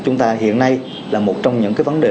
chúng ta hiện nay là một trong những cái vấn đề